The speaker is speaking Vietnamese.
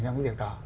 trong cái việc đó